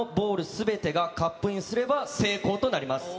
すべてがカップインすれば成功となります。